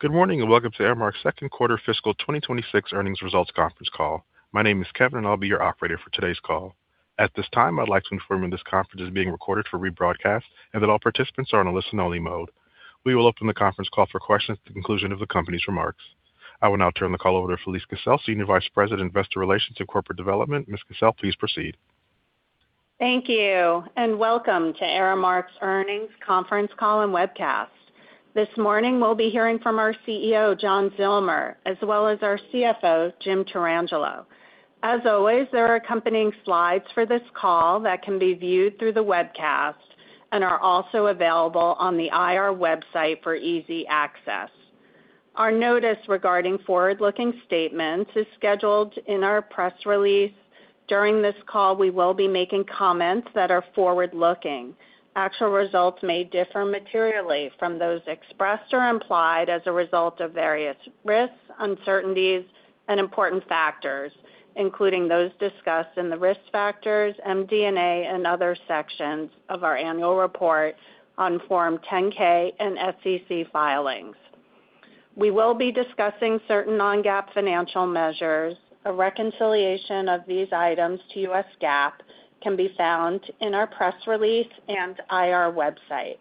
Good morning, and welcome to Aramark's second quarter fiscal 2026 earnings results conference call. My name is Kevin, and I'll be your operator for today's call. At this time, I'd like to inform you this conference is being recorded for rebroadcast and that all participants are on a listen-only mode. We will open the conference call for questions at the conclusion of the company's remarks. I will now turn the call over to Felise Kissell, Senior Vice President, Investor Relations and Corporate Development. Ms. Kissell, please proceed. Thank you, welcome to Aramark's earnings conference call and webcast. This morning, we'll be hearing from our CEO, John Zillmer, as well as our CFO, Jim Tarangelo. As always, there are accompanying slides for this call that can be viewed through the webcast and are also available on the IR website for easy access. Our notice regarding forward-looking statements is scheduled in our press release. During this call, we will be making comments that are forward looking. Actual results may differ materially from those expressed or implied as a result of various risks, uncertainties, and important factors, including those discussed in the Risk Factors, MD&A, and other sections of our annual report on Form 10-K and SEC filings. We will be discussing certain non-GAAP financial measures. A reconciliation of these items to U.S. GAAP can be found in our press release and IR website.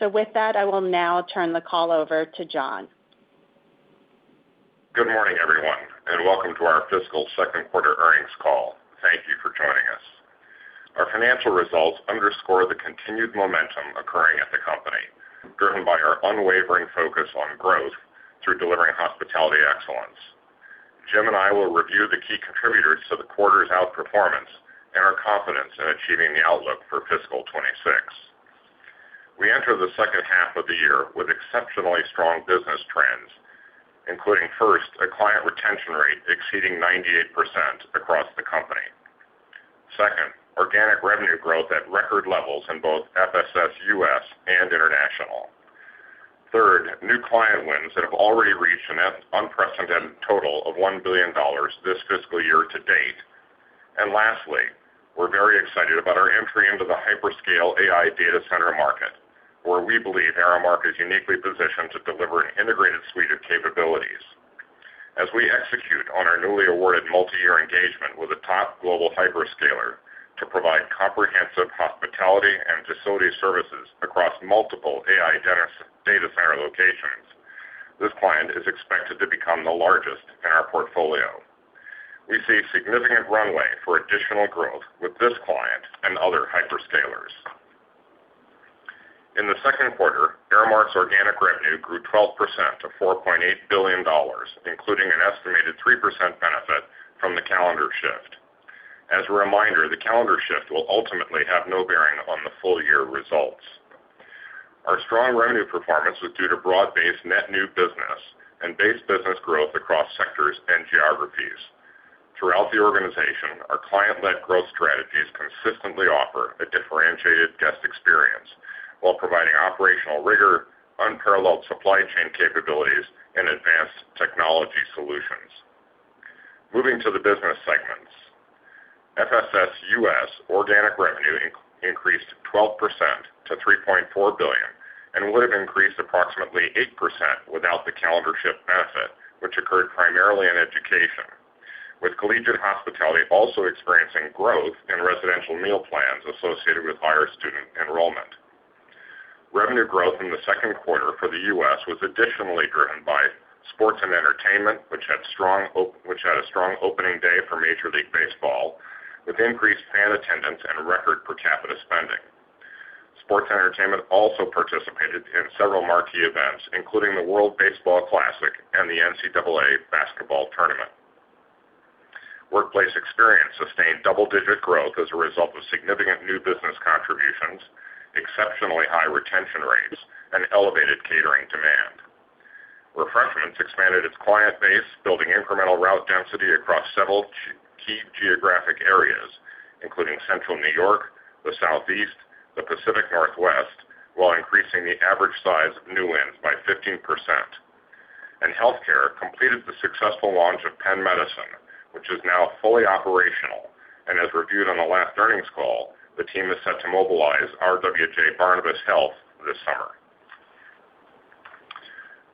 With that, I will now turn the call over to John. Good morning, everyone, and welcome to our fiscal 2nd quarter earnings call. Thank you for joining us. Our financial results underscore the continued momentum occurring at the company, driven by our unwavering focus on growth through delivering hospitality excellence. Jim and I will review the key contributors to the quarter's outperformance and our confidence in achieving the outlook for fiscal 2026. We enter the second half of the year with exceptionally strong business trends, including, first, a client retention rate exceeding 98% across the company. Second, organic revenue growth at record levels in both FSS U.S. and international. Third, new client wins that have already reached an unprecedented total of $1 billion this fiscal year to date. Lastly, we're very excited about our entry into the hyperscale AI data center market, where we believe Aramark is uniquely positioned to deliver an integrated suite of capabilities. As we execute on our newly awarded multi-year engagement with a top global hyperscaler to provide comprehensive hospitality and facility services across multiple AI data center locations, this client is expected to become the largest in our portfolio. We see significant runway for additional growth with this client and other hyperscalers. In the second quarter, Aramark's organic revenue grew 12% to $4.8 billion, including an estimated 3% benefit from the calendar shift. As a reminder, the calendar shift will ultimately have no bearing on the full year results. Our strong revenue performance was due to broad-based net new business and base business growth across sectors and geographies. Throughout the organization, our client-led growth strategies consistently offer a differentiated guest experience while providing operational rigor, unparalleled supply chain capabilities, and advanced technology solutions. Moving to the business segments. FSS U.S. organic revenue increased 12% to $3.4 billion. Would have increased approximately 8% without the calendar shift benefit, which occurred primarily in education, with collegiate hospitality also experiencing growth in residential meal plans associated with higher student enrollment. Revenue growth in the second quarter for the U.S. was additionally driven by sports and entertainment, which had a strong opening day for Major League Baseball, with increased fan attendance and record per capita spending. Sports and Entertainment also participated in several marquee events, including the World Baseball Classic and the NCAA basketball tournament. Workplace Experience sustained double-digit growth as a result of significant new business contributions, exceptionally high retention rates, and elevated catering demand. Refreshments expanded its client base, building incremental route density across several key geographic areas, including Central New York, the Southeast, the Pacific Northwest, while increasing the average size of new wins by 15%. Healthcare completed the successful launch of Penn Medicine, which is now fully operational. As reviewed on the last earnings call, the team is set to mobilize RWJBarnabas Health this summer.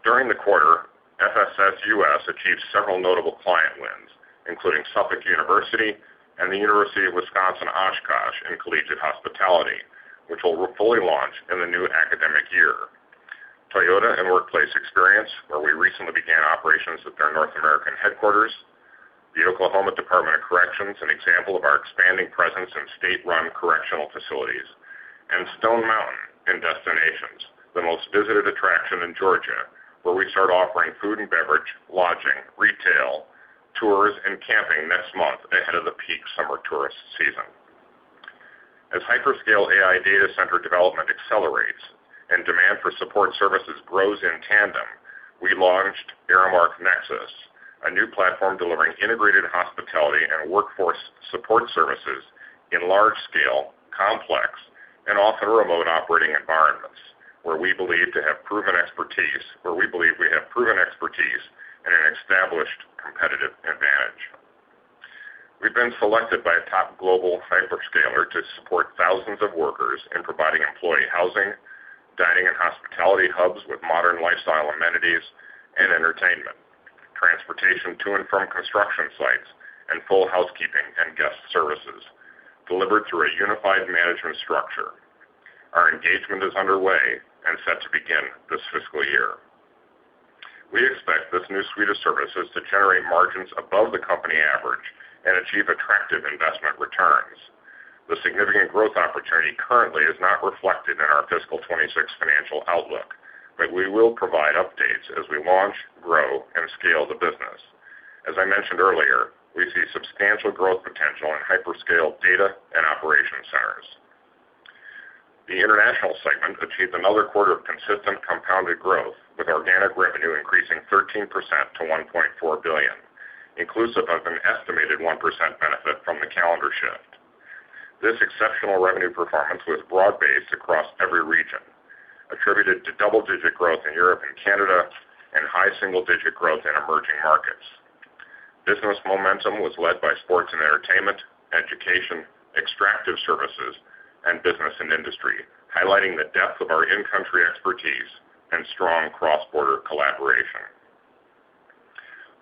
During the quarter, FSS U.S. achieved several notable client wins, including Suffolk University and the University of Wisconsin–Oshkosh in Collegiate Hospitality, which will fully launch in the new academic year. Toyota in Workplace Experience, where we recently began operations at their North American headquarters. The Oklahoma Department of Corrections, an example of our expanding presence in state-run correctional facilities. Stone Mountain in Destinations, the most visited attraction in Georgia, where we start offering food and beverage, lodging, retail, tours, and camping next month ahead of the peak summer tourist season. As hyperscale AI data center development accelerates and demand for support services grows in tandem, we launched Aramark Nexus, a new platform delivering integrated hospitality and workforce support services in large scale, complex, and often remote operating environments where we believe we have proven expertise. We've been selected by a top global hyperscaler to support thousands of workers in providing employee housing, dining and hospitality hubs with modern lifestyle amenities and entertainment, transportation to and from construction sites, and full housekeeping and guest services delivered through a unified management structure. Our engagement is underway and set to begin this fiscal year. We expect this new suite of services to generate margins above the company average and achieve attractive investment returns. The significant growth opportunity currently is not reflected in our fiscal 26 financial outlook. We will provide updates as we launch, grow, and scale the business. As I mentioned earlier, we see substantial growth potential in hyperscale data and operation centers. The international segment achieved another quarter of consistent compounded growth, with organic revenue increasing 13% to $1.4 billion, inclusive of an estimated 1% benefit from the calendar shift. This exceptional revenue performance was broad-based across every region, attributed to double-digit growth in Europe and Canada and high single-digit growth in emerging markets. Business momentum was led by sports and entertainment, education, extractive services, and business and industry, highlighting the depth of our in-country expertise and strong cross-border collaboration.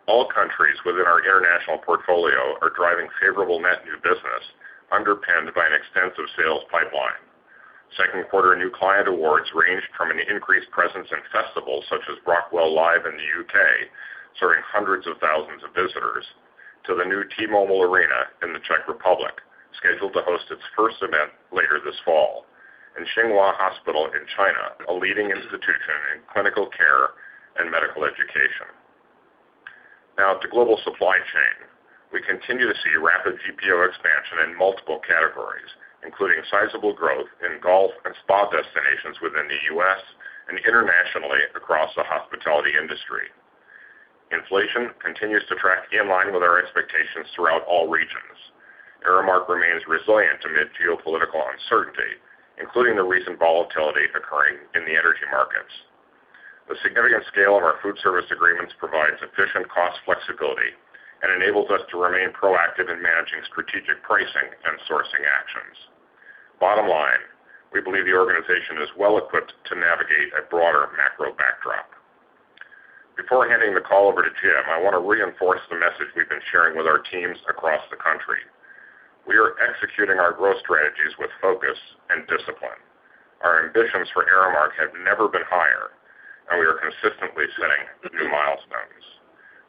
All countries within our international portfolio are driving favorable net new business underpinned by an extensive sales pipeline. Second quarter new client awards ranged from an increased presence in festivals such as Brockwell Live in the U.K., serving hundreds of thousands of visitors, to the new T-Mobile Arena in the Czech Republic, scheduled to host its first event later this fall, and XinHua Hospital in China, a leading institution in clinical care and medical education. Now to global supply chain. We continue to see rapid GPO expansion in multiple categories, including sizable growth in golf and spa destinations within the U.S. and internationally across the hospitality industry. Inflation continues to track in line with our expectations throughout all regions. Aramark remains resilient amid geopolitical uncertainty, including the recent volatility occurring in the energy markets. The significant scale of our food service agreements provides efficient cost flexibility and enables us to remain proactive in managing strategic pricing and sourcing actions. Bottom line, we believe the organization is well equipped to navigate a broader macro backdrop. Before handing the call over to Jim, I want to reinforce the message we've been sharing with our teams across the country. We are executing our growth strategies with focus and discipline. Our ambitions for Aramark have never been higher, and we are consistently setting new milestones.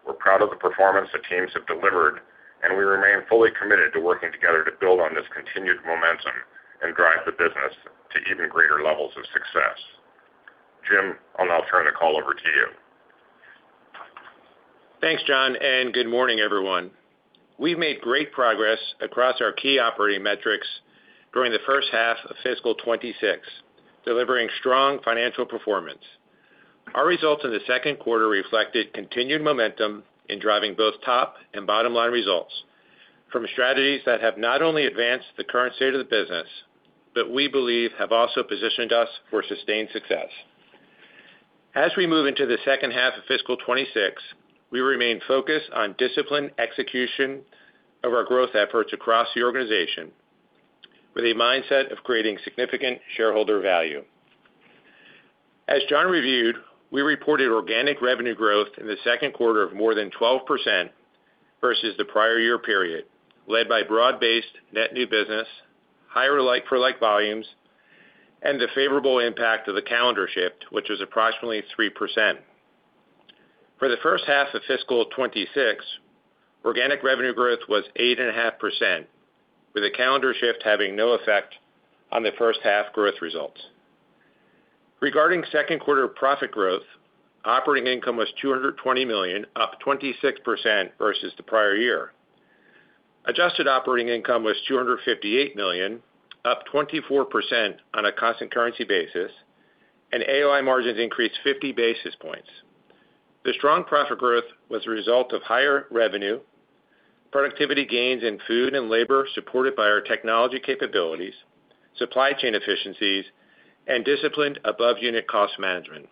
We're proud of the performance the teams have delivered, and we remain fully committed to working together to build on this continued momentum and drive the business to even greater levels of success. Jim, I'll now turn the call over to you. Thanks, John, and good morning, everyone. We've made great progress across our key operating metrics during the first half of fiscal 2026, delivering strong financial performance. Our results in the second quarter reflected continued momentum in driving both top and bottom line results from strategies that have not only advanced the current state of the business, but we believe have also positioned us for sustained success. As we move into the second half of fiscal 2026, we remain focused on disciplined execution of our growth efforts across the organization with a mindset of creating significant shareholder value. As John reviewed, we reported organic revenue growth in the second quarter of more than 12% versus the prior year period, led by broad-based net new business, higher like-for-like volumes, and the favorable impact of the calendar shift, which was approximately 3%. For the first half of fiscal 2026, organic revenue growth was 8.5%, with the calendar shift having no effect on the first half growth results. Regarding second quarter profit growth, operating income was $220 million, up 26% versus the prior year. Adjusted operating income was $258 million, up 24% on a constant currency basis, and AOI margins increased 50 basis points. The strong profit growth was a result of higher revenue, productivity gains in food and labor supported by our technology capabilities, supply chain efficiencies, and disciplined above-unit cost management.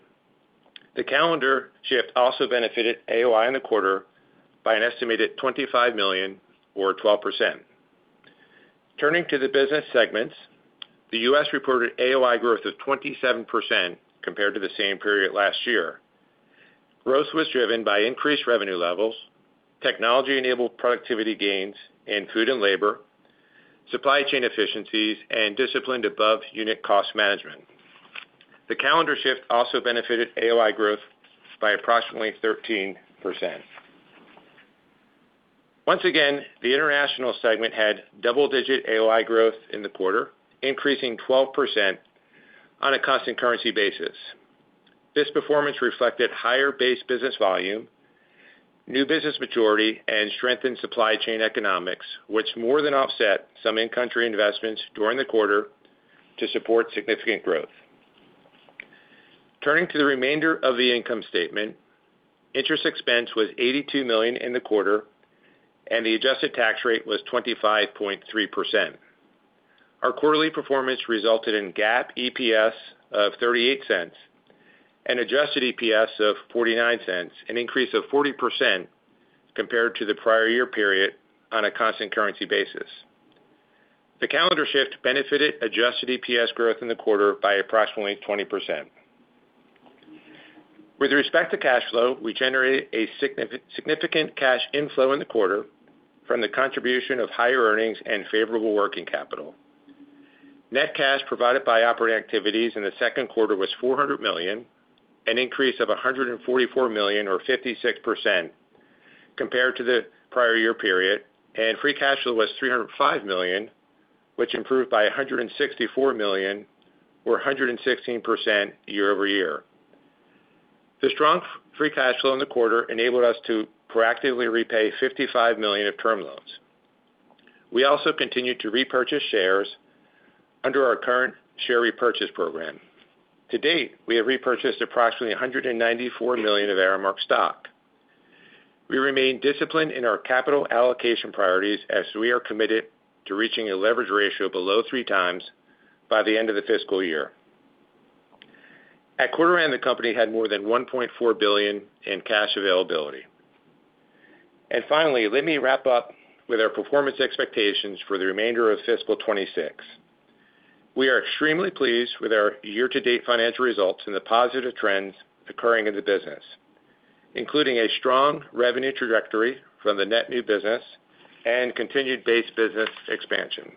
The calendar shift also benefited AOI in the quarter by an estimated $25 million or 12%. Turning to the business segments, the U.S. reported AOI growth of 27% compared to the same period last year. Growth was driven by increased revenue levels, technology-enabled productivity gains in food and labor, supply chain efficiencies, and disciplined above-unit cost management. The calendar shift also benefited AOI growth by approximately 13%. Once again, the international segment had double-digit AOI growth in the quarter, increasing 12% on a constant currency basis. This performance reflected higher base business volume, new business maturity, and strengthened supply chain economics, which more than offset some in-country investments during the quarter to support significant growth. Turning to the remainder of the income statement, interest expense was $82 million in the quarter, and the adjusted tax rate was 25.3%. Our quarterly performance resulted in GAAP EPS of $0.38 and adjusted EPS of $0.49, an increase of 40% compared to the prior year period on a constant currency basis. The calendar shift benefited adjusted EPS growth in the quarter by approximately 20%. With respect to cash flow, we generated a significant cash inflow in the quarter from the contribution of higher earnings and favorable working capital. Net cash provided by operating activities in the second quarter was $400 million, an increase of $144 million or 56% compared to the prior year period. Free cash flow was $305 million, which improved by $164 million or 116% year-over-year. The strong free cash flow in the quarter enabled us to proactively repay $55 million of term loans. We also continued to repurchase shares under our current share repurchase program. To date, we have repurchased approximately $194 million of Aramark stock. We remain disciplined in our capital allocation priorities as we are committed to reaching a leverage ratio below 3x by the end of the fiscal year. At quarter end, the company had more than $1.4 billion in cash availability. Finally, let me wrap up with our performance expectations for the remainder of fiscal 2026. We are extremely pleased with our year-to-date financial results and the positive trends occurring in the business, including a strong revenue trajectory from the net new business and continued base business expansion.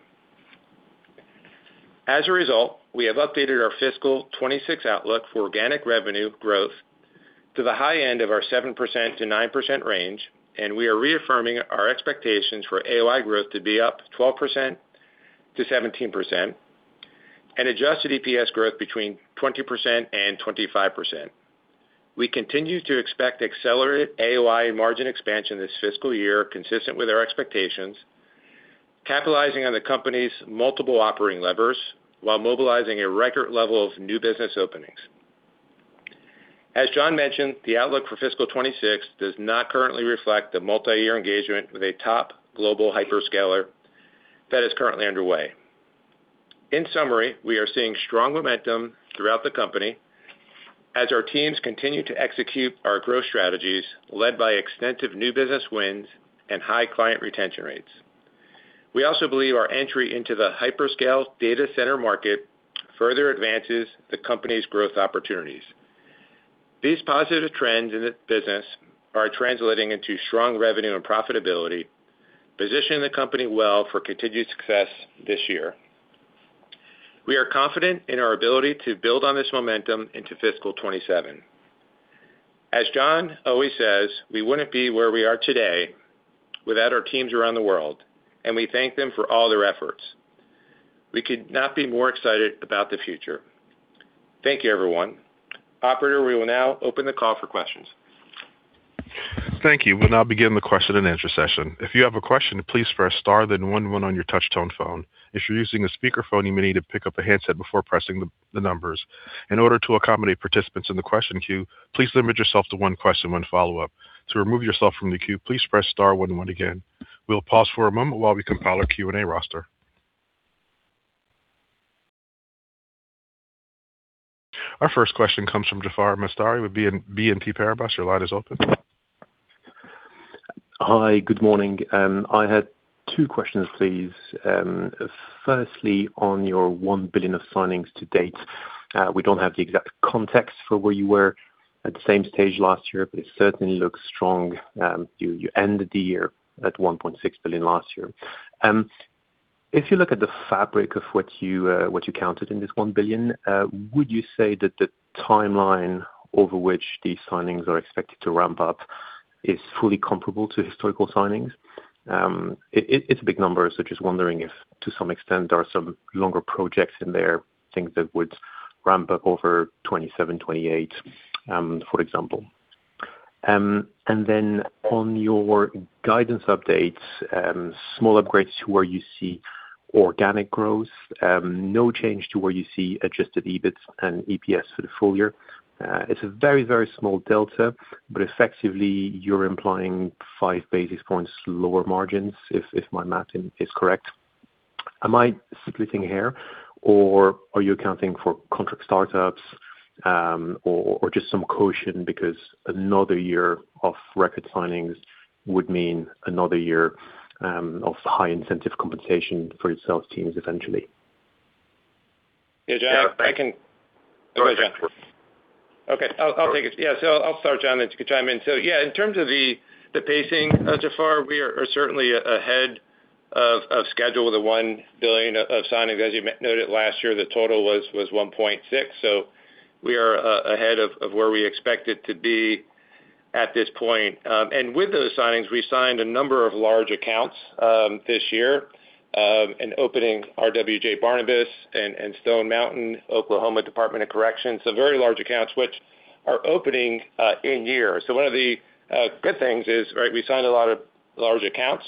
As a result, we have updated our fiscal 2026 outlook for organic revenue growth to the high end of our 7%-9% range, and we are reaffirming our expectations for AOI growth to be up 12%-17% and adjusted EPS growth between 20% and 25%. We continue to expect accelerated AOI margin expansion this fiscal year consistent with our expectations, capitalizing on the company's multiple operating levers while mobilizing a record level of new business openings. As John mentioned, the outlook for fiscal 2026 does not currently reflect the multi-year engagement with a top global hyperscaler that is currently underway. In summary, we are seeing strong momentum throughout the company as our teams continue to execute our growth strategies led by extensive new business wins and high client retention rates. We also believe our entry into the hyperscale data center market further advances the company's growth opportunities. These positive trends in the business are translating into strong revenue and profitability, positioning the company well for continued success this year. We are confident in our ability to build on this momentum into fiscal 2027. As John always says, we wouldn't be where we are today without our teams around the world, and we thank them for all their efforts. We could not be more excited about the future. Thank you, everyone. Operator, we will now open the call for questions. Thank you. We'll now begin the question and answer session. If you have a question, please press star then one one on your touch-tone phone. If you're using a speakerphone, you may need to pick up a handset before pressing the numbers. In order to accommodate participants in the question queue, please limit yourself to one question, one follow-up. To remove yourself from the queue, please press star one one again. We'll pause for a moment while we compile our Q&A roster. Our first question comes from Jaafar Mestari with BNP Paribas. Your line is open. Hi. Good morning. I had two questions, please. Firstly, on your $1 billion of signings to date, we don't have the exact context for where you were at the same stage last year, but it certainly looks strong. You ended the year at $1.6 billion last year. If you look at the fabric of what you counted in this $1 billion, would you say that the timeline over which these signings are expected to ramp up is fully comparable to historical signings? It's big numbers. Just wondering if to some extent there are some longer projects in there, things that would ramp up over 2027, 2028, for example. On your guidance updates, small upgrades to where you see organic growth, no change to where you see adjusted EBITs and EPS for the full year. It's a very small delta, but effectively you're implying 5 basis points lower margins if my math is correct. Am I splitting hair or are you accounting for contract startups, or just some caution because another year of record signings would mean another year, of high incentive compensation for your sales teams eventually? Yeah, John. Sure. Go ahead, John. Okay. I'll take it. Yeah. I'll start, John, and you can chime in. Yeah, in terms of the pacing, Jaafar, we are certainly ahead of schedule with the $1 billion of signings. As you noted last year, the total was $1.6 billion. We are ahead of where we expect it to be at this point. With those signings, we signed a number of large accounts this year, and opening RWJBarnabas and Stone Mountain, Oklahoma Department of Corrections. Very large accounts which are opening in year. One of the good things is, right, we signed a lot of large accounts.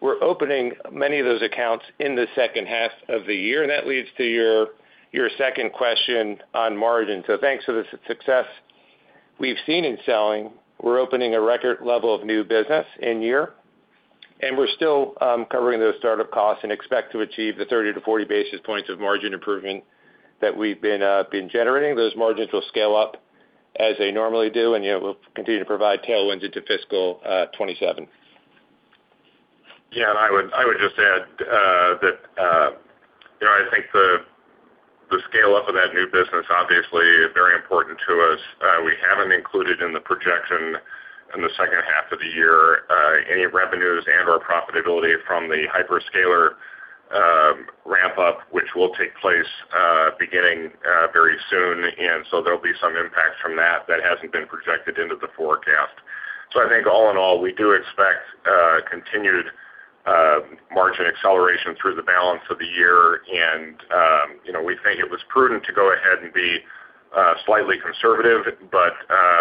We're opening many of those accounts in the second half of the year, and that leads to your second question on margin. Thanks to the success we've seen in selling we're opening a record level of new business in year, and we're still covering those start-up costs and expect to achieve the 30 basis points to 40 basis points of margin improvement that we've been generating. Those margins will scale up as they normally do, and yeah, we'll continue to provide tailwinds into fiscal 2027. I would just add that, you know, I think the scale-up of that new business obviously is very important to us. We haven't included in the projection in the second half of the year any revenues and/or profitability from the hyperscaler ramp-up, which will take place beginning very soon. There'll be some impact from that that hasn't been projected into the forecast. I think all in all, we do expect continued margin acceleration through the balance of the year. You know, we think it was prudent to go ahead and be slightly conservative, but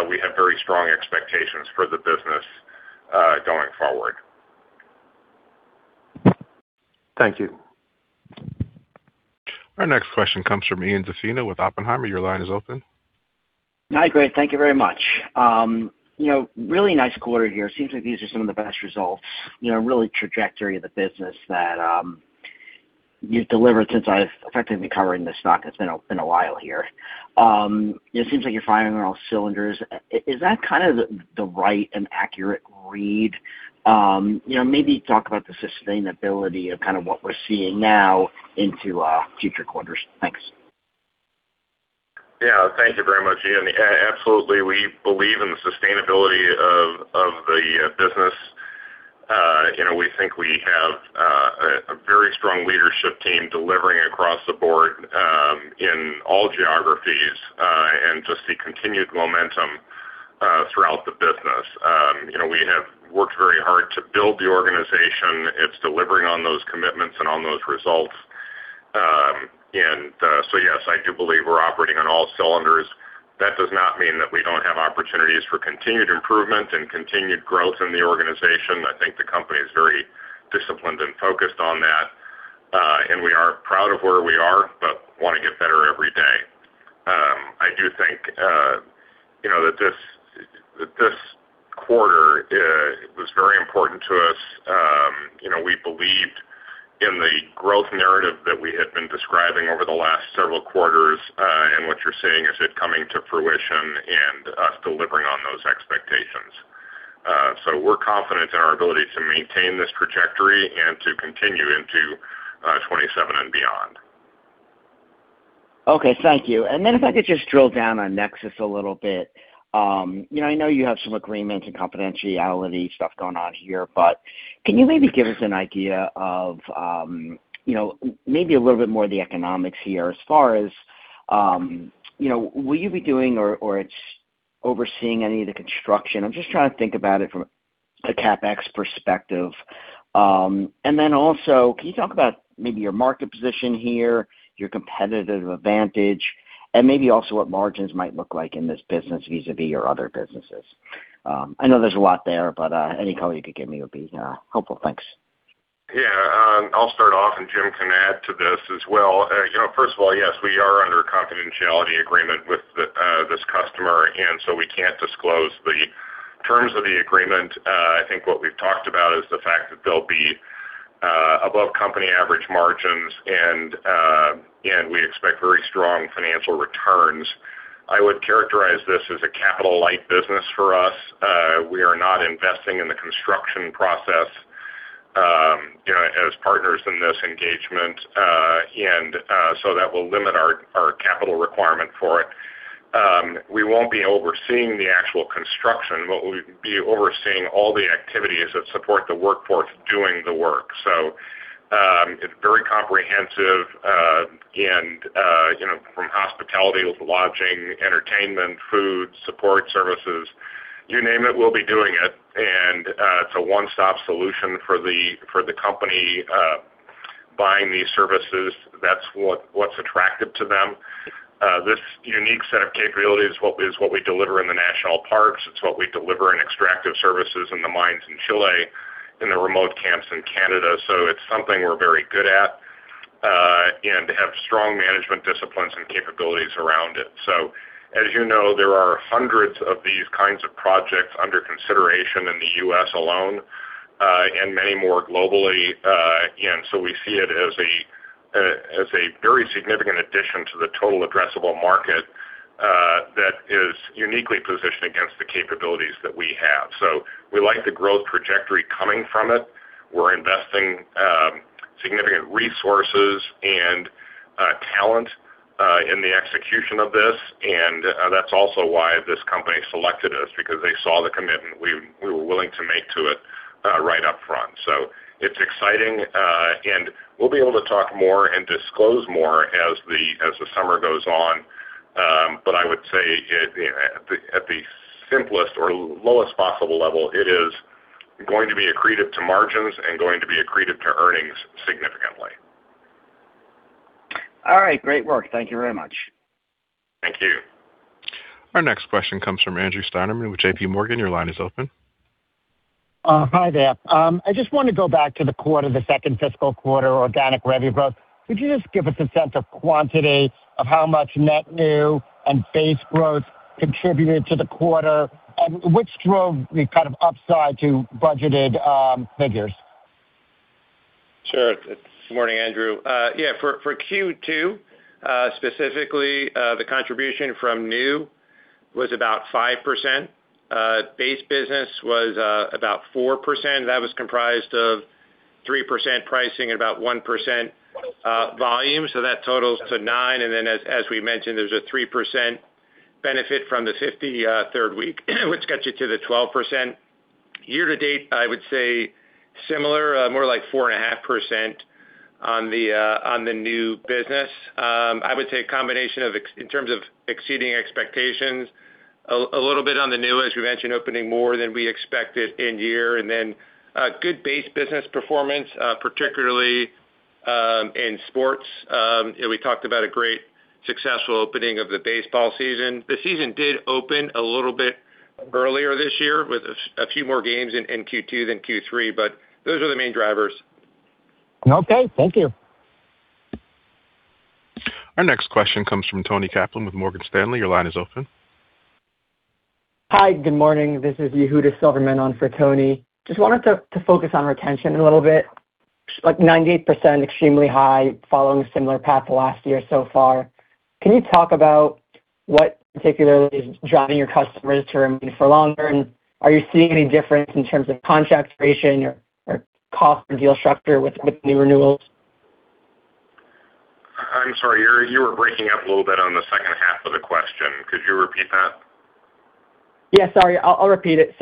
we have very strong expectations for the business going forward. Thank you. Our next question comes from Ian Zaffino with Oppenheimer. Your line is open. Hi, great. Thank you very much. You know, really nice quarter here. Seems like these are some of the best results, you know, really trajectory of the business that you've delivered since I've effectively been covering the stock. It's been a while here. It seems like you're firing on all cylinders. Is that kind of the right and accurate read? You know, maybe talk about the sustainability of kind of what we're seeing now into future quarters. Thanks. Yeah, thank you very much, Ian. Absolutely, we believe in the sustainability of the business. You know, we think we have a very strong leadership team delivering across the board in all geographies and just the continued momentum throughout the business. You know, we have worked very hard to build the organization. It's delivering on those commitments and on those results. So yes, I do believe we're operating on all cylinders. That does not mean that we don't have opportunities for continued improvement and continued growth in the organization. I think the company is very disciplined and focused on that. We are proud of where we are, but wanna get better every day. I do think, you know, that this quarter was very important to us. You know, we believed in the growth narrative that we had been describing over the last several quarters, and what you're seeing is it coming to fruition and us delivering on those expectations. We're confident in our ability to maintain this trajectory and to continue into, 2027 and beyond. Okay. Thank you. If I could just drill down on Nexus a little bit. You know, I know you have some agreement and confidentiality stuff going on here, but can you maybe give us an idea of, you know, maybe a little bit more of the economics here as far as, you know, will you be doing or it's overseeing any of the construction? I'm just trying to think about it from a CapEx perspective. Also, can you talk about maybe your market position here, your competitive advantage, and maybe also what margins might look like in this business vis-à-vis your other businesses? I know there's a lot there, but any color you could give me would be helpful. Thanks. I'll start off, and Jim can add to this as well. You know, first of all, yes, we are under a confidentiality agreement with the this customer, and so we can't disclose the terms of the agreement. I think what we've talked about is the fact that they'll be above company average margins and we expect very strong financial returns. I would characterize this as a capital-light business for us. We are not investing in the construction process, you know, as partners in this engagement. That will limit our capital requirement for it. We won't be overseeing the actual construction, but we'll be overseeing all the activities that support the workforce doing the work. It's very comprehensive, you know, from hospitality with lodging, entertainment, food, support services, you name it, we'll be doing it. It's a one-stop solution for the company buying these services. That's what's attractive to them. This unique set of capabilities is what we deliver in the national parks. It's what we deliver in extractive services in the mines in Chile, in the remote camps in Canada. It's something we're very good at and have strong management disciplines and capabilities around it. As you know, there are hundreds of these kinds of projects under consideration in the U.S. alone and many more globally. We see it as a very significant addition to the total addressable market that is uniquely positioned against the capabilities that we have. We like the growth trajectory coming from it. We're investing significant resources and talent in the execution of this. That's also why this company selected us because they saw the commitment we were willing to make to it right up front. It's exciting, and we'll be able to talk more and disclose more as the summer goes on. I would say at the simplest or lowest possible level, it is going to be accretive to margins and going to be accretive to earnings significantly. All right. Great work. Thank you very much. Thank you. Our next question comes from Andrew Steinerman with JPMorgan. Your line is open. Hi there. I just wanna go back to the quarter, the second fiscal quarter organic revenue growth. Could you just give us a sense of quantity of how much net new and base growth contributed to the quarter, and which drove the kind of upside to budgeted figures? Sure. It's Morning, Andrew. For Q2, specifically, the contribution from new was about 5%. Base business was about 4%. That was comprised of 3% pricing and about 1% volume, so that totals to 9%. Then as we mentioned, there's a 3% benefit from the 53rd week which gets you to the 12%. Year to date, I would say similar, more like 4.5% on the new business. I would say a combination of in terms of exceeding expectations, a little bit on the new, as we mentioned, opening more than we expected in year. Then good base business performance, particularly in sports. You know, we talked about a great successful opening of the baseball season. The season did open a little bit earlier this year with a few more games in Q2 than Q3. Those are the main drivers. Okay, thank you. Our next question comes from Toni Kaplan with Morgan Stanley. Your line is open. Hi, good morning. This is Yehuda Silverman on for Toni Kaplan. Just wanted to focus on retention a little bit. Like, 98% extremely high following similar path to last year so far. Can you talk about what particularly is driving your customers to remain for longer? Are you seeing any difference in terms of contract duration or cost and deal structure with new renewals? I'm sorry, you were breaking up a little bit on the second half of the question. Could you repeat that? Yeah, sorry. I'll repeat it.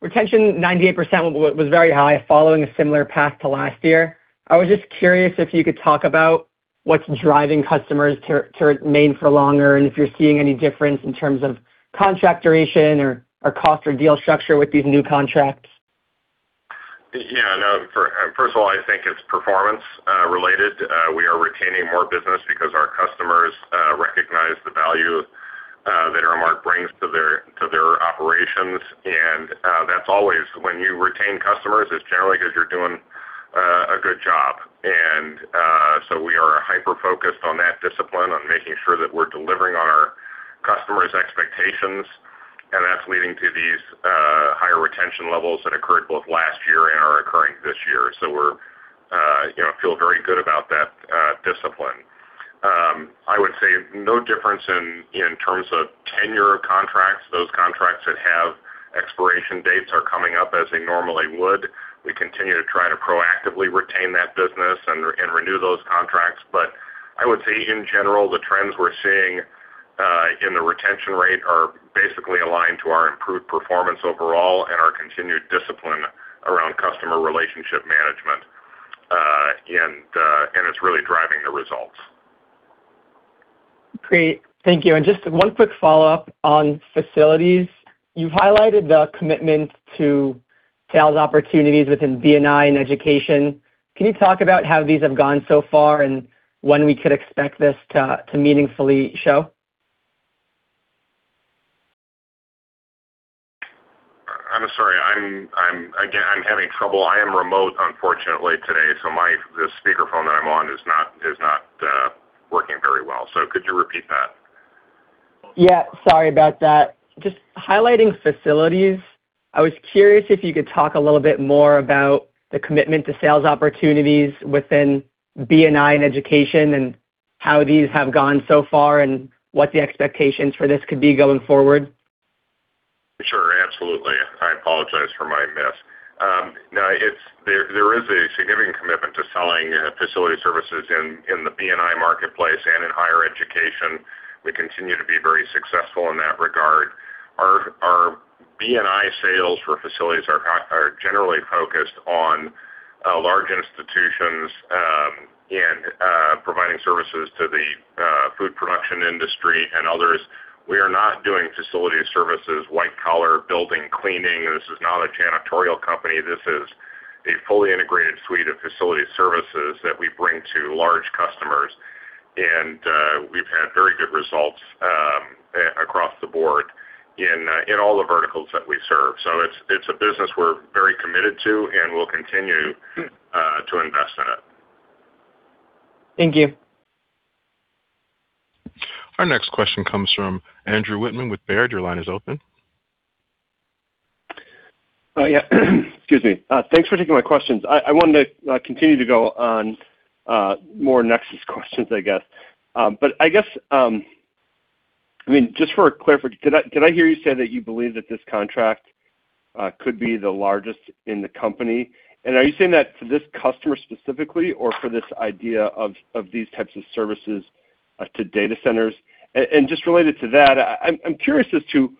Retention, 98% was very high following a similar path to last year. I was just curious if you could talk about what's driving customers to remain for longer and if you're seeing any difference in terms of contract duration or cost or deal structure with these new contracts. Yeah, no, first of all, I think it's performance related. We are retaining more business because our customers recognize the value that Aramark brings to their operations. That's always when you retain customers, it's generally 'cause you're doing a good job. We are hyper-focused on that discipline, on making sure that we're delivering on our customers' expectations, and that's leading to these higher retention levels that occurred both last year and are occurring this year. We're, you know, feel very good about that discipline. I would say no difference in terms of tenure of contracts. Those contracts that have expiration dates are coming up as they normally would. We continue to try to proactively retain that business and renew those contracts. I would say in general, the trends we're seeing in the retention rate are basically aligned to our improved performance overall and our continued discipline around customer relationship management. It's really driving the results. Great. Thank you. Just one quick follow-up on facilities. You've highlighted the commitment to sales opportunities within B&I and education. Can you talk about how these have gone so far and when we could expect this to meaningfully show? I'm sorry. Again, I'm having trouble. I am remote unfortunately today, so the speaker phone that I'm on is not working very well. Could you repeat that? Sorry about that. Just highlighting facilities, I was curious if you could talk a little bit more about the commitment to sales opportunities within B&I and education, and how these have gone so far and what the expectations for this could be going forward. Sure, absolutely. I apologize for my miss. No, there is a significant commitment to selling facility services in the B&I marketplace and in higher education. We continue to be very successful in that regard. Our B&I sales for facilities are generally focused on large institutions and providing services to the food production industry and others. We are not doing facility services, white collar building cleaning. This is not a janitorial company. This is a fully integrated suite of facility services that we bring to large customers. We've had very good results across the board in all the verticals that we serve. It's a business we're very committed to and will continue to invest in it. Thank you. Our next question comes from Andrew Wittmann with Baird. Your line is open. Yeah. Excuse me. Thanks for taking my questions. I wanted to continue to go on more Nexus questions, I guess. But I guess, I mean, just for a clarify, did I hear you say that you believe that this contract could be the largest in the company? Are you saying that to this customer specifically or for this idea of these types of services to data centers? Just related to that, I'm curious as to,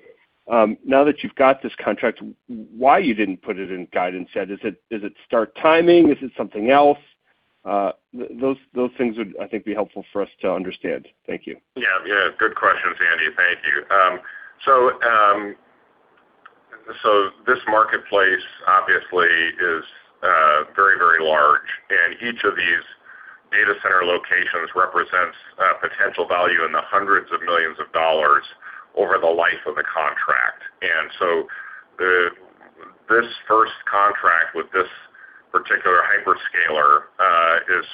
now that you've got this contract, why you didn't put it in guidance yet. Is it start timing? Is it something else? Those things would, I think, be helpful for us to understand. Thank you. Yeah. Yeah. Good questions, Andy. Thank you. Each of these data center locations represents potential value in the hundreds of millions of dollars over the life of the contract. This first contract with this particular hyperscaler is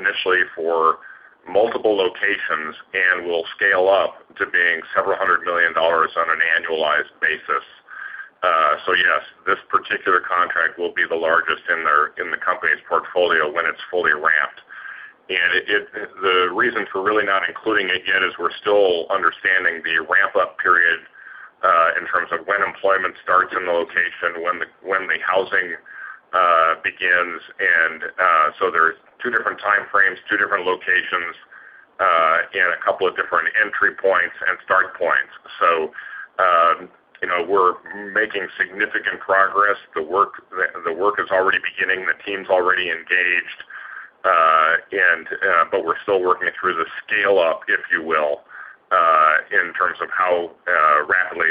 initially for multiple locations and will scale up to being several hundred million dollars on an annualized basis. Yes, this particular contract will be the largest in the company's portfolio when it's fully ramped. The reason for really not including it yet is we're still understanding the ramp-up period in terms of when employment starts in the location, when the housing begins. There's two different time frames, two different locations, and a couple of different entry points and start points. You know, we're making significant progress. The work is already beginning. The team's already engaged, but we're still working through the scale up, if you will, in terms of how rapidly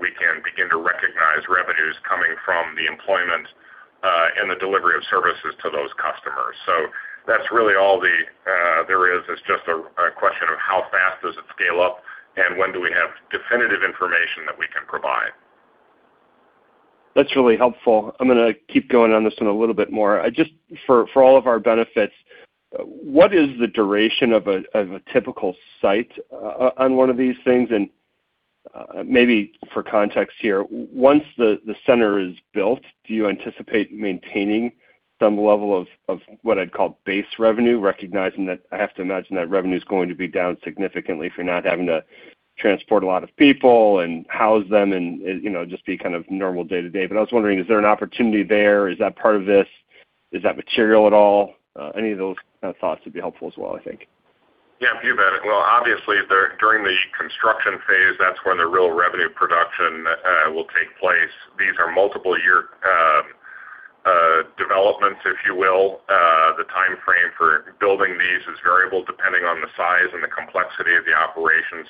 we can begin to recognize revenues coming from the employment and the delivery of services to those customers. That's really all there is. It's just a question of how fast does it scale up and when do we have definitive information that we can provide. That's really helpful. I'm gonna keep going on this one a little bit more. Just for all of our benefits, what is the duration of a typical site on one of these things? Maybe for context here, once the center is built, do you anticipate maintaining some level of what I'd call base revenue, recognizing that I have to imagine that revenue is going to be down significantly if you're not having to transport a lot of people and house them and, you know, just be kind of normal day-to-day. I was wondering, is there an opportunity there? Is that part of this? Is that material at all? Any of those kind of thoughts would be helpful as well, I think. Yeah, you bet. Obviously, during the construction phase, that's when the real revenue production will take place. These are multiple year developments, if you will. The time frame for building these is variable depending on the size and the complexity of the operation.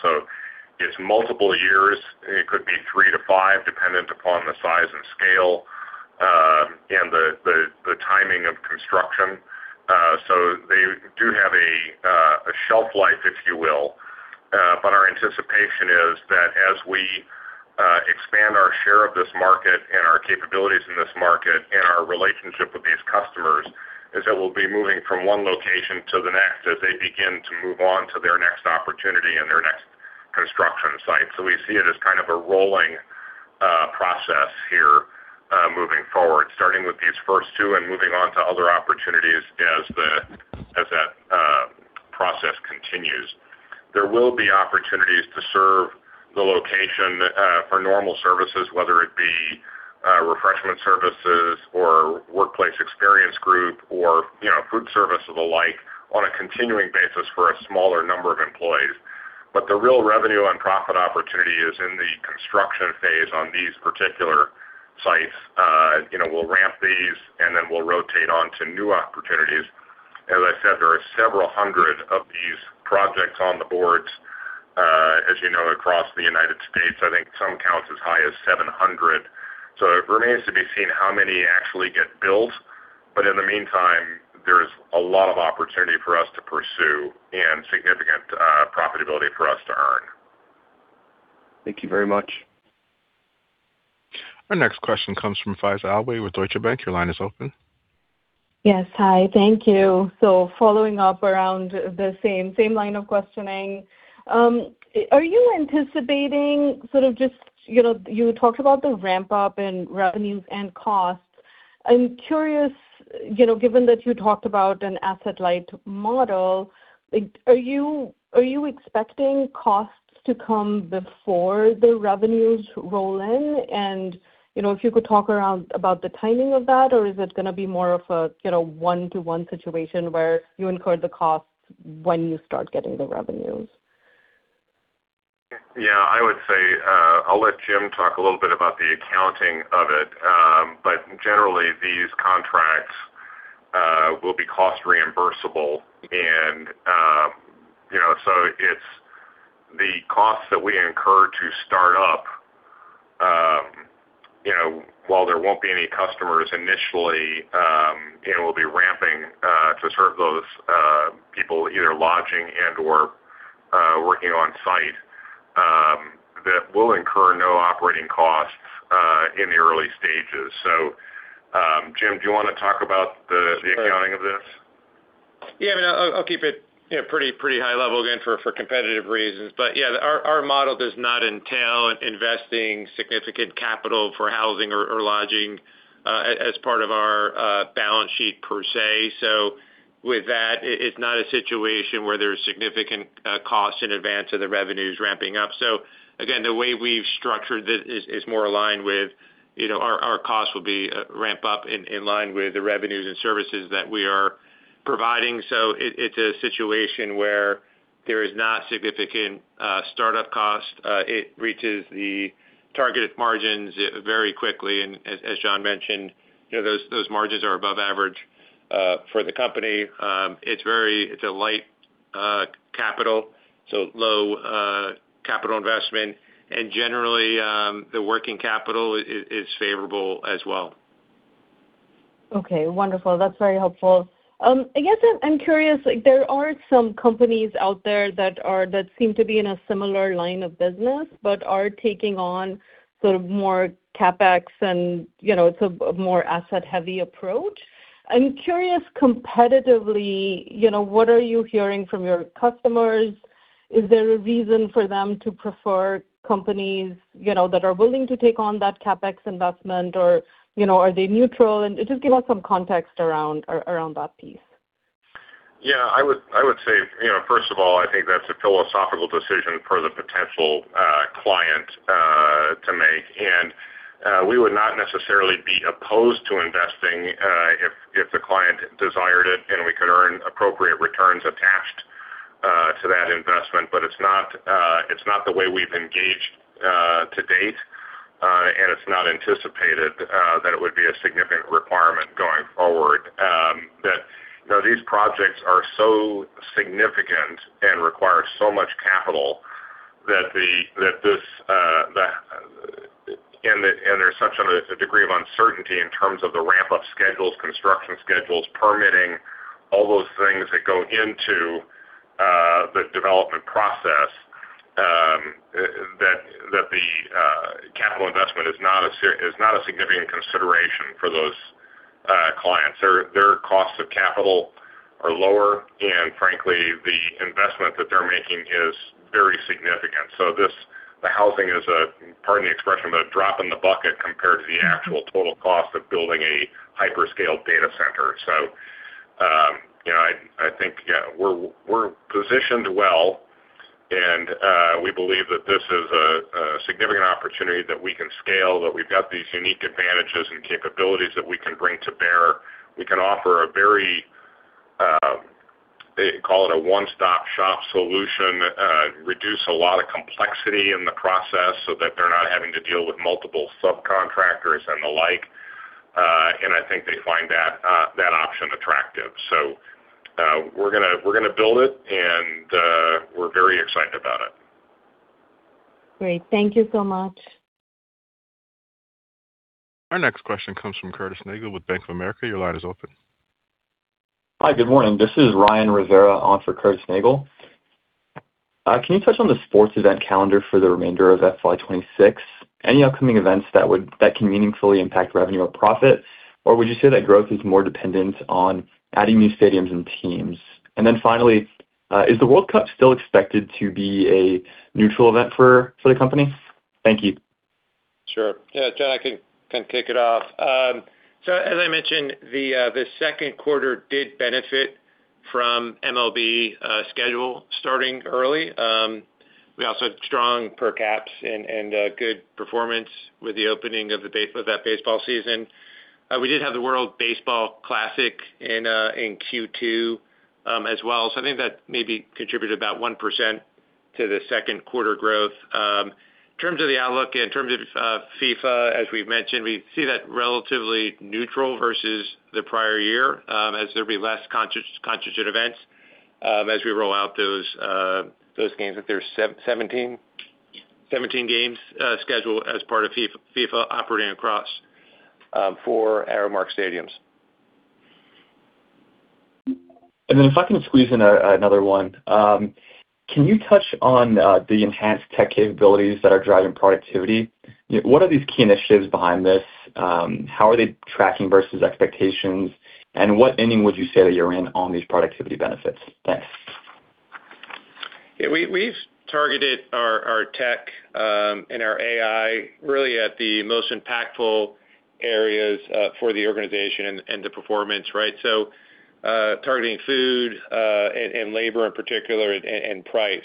It's multiple years. It could be three to five, dependent upon the size and scale and the timing of construction. They do have a shelf life, if you will. Our anticipation is that as we expand our share of this market and our capabilities in this market and our relationship with these customers, is that we'll be moving from one location to the next as they begin to move on to their next opportunity and their next construction site. We see it as kind of a rolling process here, moving forward, starting with these first two and moving on to other opportunities as that process continues. There will be opportunities to serve the location for normal services, whether it be Refreshment Services or Workplace Experience Group or, you know, food service of the like, on a continuing basis for a smaller number of employees. The real revenue and profit opportunity is in the construction phase on these particular sites. You know, we'll ramp these and then we'll rotate on to new opportunities. As I said, there are several hundred of these projects on the boards, as you know, across the U.S. I think some count as high as 700 projects. It remains to be seen how many actually get built. In the meantime, there is a lot of opportunity for us to pursue and significant profitability for us to earn. Thank you very much. Our next question comes from Faiza Alwy with Deutsche Bank. Yes. Hi. Thank you. Following up around the same line of questioning, are you anticipating sort of just, you know, you talked about the ramp up in revenues and costs. I'm curious, you know, given that you talked about an asset light model, like, are you expecting costs to come before the revenues roll in? You know, if you could talk about the timing of that, or is it gonna be more of a, you know, one-to-one situation where you incur the costs when you start getting the revenues? Yeah, I would say, I'll let Jim talk a little bit about the accounting of it. Generally these contracts will be cost reimbursable. You know, so it's the costs that we incur to start up, you know, while there won't be any customers initially, and we'll be ramping to serve those people either lodging and/or working on site, that will incur no operating costs in the early stages. Jim, do you wanna talk about the accounting of this? I mean, I'll keep it, you know, pretty high level again for competitive reasons. Our model does not entail investing significant capital for housing or lodging as part of our balance sheet per se. With that, it's not a situation where there's significant costs in advance of the revenues ramping up. Again, the way we've structured this is more aligned with, you know, our costs will be ramp up in line with the revenues and services that we are providing. It's a situation where there is not significant startup cost. It reaches the targeted margins very quickly. As John mentioned, you know, those margins are above average for the company. It's a light capital, so low capital investment. Generally, the working capital is favorable as well. Okay, wonderful. That's very helpful. I guess I'm curious, like there are some companies out there that seem to be in a similar line of business, but are taking on sort of more CapEx and, you know, so a more asset-heavy approach. I'm curious competitively, you know, what are you hearing from your customers? Is there a reason for them to prefer companies, you know, that are willing to take on that CapEx investment or, you know, are they neutral? Just give us some context around that piece. I would say, you know, first of all, I think that's a philosophical decision for the potential client to make. We would not necessarily be opposed to investing if the client desired it and we could earn appropriate returns attached to that investment. It's not the way we've engaged to date, and it's not anticipated that it would be a significant requirement going forward. That, you know, these projects are so significant and require so much capital that this, and there's such a degree of uncertainty in terms of the ramp-up schedules, construction schedules, permitting, all those things that go into the development process, that the capital investment is not a significant consideration for those clients. Their costs of capital are lower, and frankly, the investment that they're making is very significant. The housing is a, pardon the expression, but a drop in the bucket compared to the actual total cost of building a hyperscale data center. You know, I think, we're positioned well and we believe that this is a significant opportunity that we can scale, that we've got these unique advantages and capabilities that we can bring to bear. We can offer a very, call it a one-stop-shop solution, reduce a lot of complexity in the process so that they're not having to deal with multiple subcontractors and the like, and I think they find that option attractive. We're gonna build it and we're very excited about it. Great. Thank you so much. Our next question comes from Curtis Nagle with Bank of America. Your line is open. Hi, good morning. This is Ryan Rivera on for Curtis Nagle. Can you touch on the sports event calendar for the remainder of FY 2026? Any upcoming events that can meaningfully impact revenue or profit? Would you say that growth is more dependent on adding new stadiums and teams? Finally, is the World Cup still expected to be a neutral event for the company? Thank you. Sure. Yeah, John, I can kick it off. As I mentioned, the second quarter did benefit from MLB schedule starting early. We also had strong per caps and good performance with the opening of that baseball season. We did have the World Baseball Classic in Q2 as well, I think that maybe contributed about 1% to the second quarter growth. In terms of the outlook, in terms of FIFA, as we've mentioned, we see that relatively neutral versus the prior year, as there'll be less concert events as we roll out those games. I think there's 17 games scheduled as part of FIFA operating across four Aramark stadiums. If I can squeeze in another one. Can you touch on the enhanced tech capabilities that are driving productivity? What are these key initiatives behind this? How are they tracking versus expectations? What inning would you say that you're in on these productivity benefits? Thanks. We've targeted our tech and our AI really at the most impactful areas for the organization and the performance, right? Targeting food and labor in particular and price.